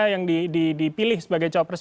yang dipilih sebagai cawapres